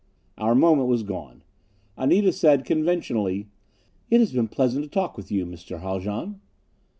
Our moment was gone. Anita said conventionally, "It has been pleasant to talk with you, Mr. Haljan."